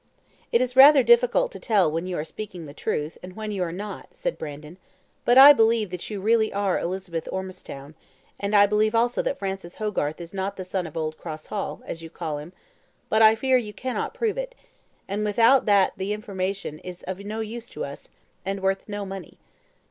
"It is rather difficult to tell when you are speaking the truth, and when you are not," said Brandon; "but I believe that you really are Elizabeth Ormistown, and I believe also that Francis Hogarth is not the son of old Cross Hall, as you call him; but I fear you cannot prove it, and without that the information is of no use to us, and worth no money."